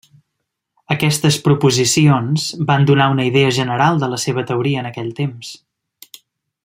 Aquestes proposicions van donar una idea general de la seva teoria en aquell temps.